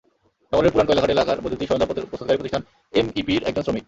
নগরের পুরান কয়লাঘাট এলাকার বৈদ্যুতিক সরঞ্জাম প্রস্তুতকারী প্রতিষ্ঠান এমইপির একজন শ্রমিক।